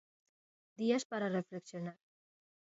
Días para reflexionar.